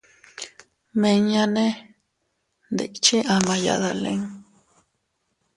Miña nee ndikche ama yadalin.